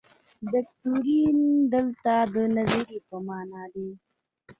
دوکتورین دلته د نظریې په معنا دی.